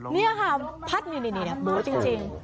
เนี่ยค่ะพัดนี่เนี่ยโบ๋จริง